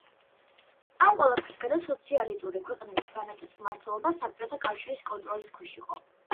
ამ ყველაფრის გარდა „სოციალიტური ქვეყნების ბანაკის“ მმართველობა საბჭოთა კავშირის კონტროლის ქვეშ იყო.